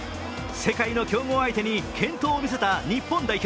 世界の強豪相手に健闘を見せた日本代表。